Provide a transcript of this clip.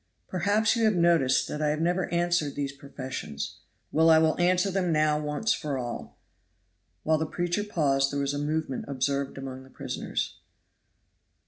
Perhaps you have noticed that I have never answered these professions. Well, I will answer them now once for all." While the preacher paused there was a movement observed among the prisoners.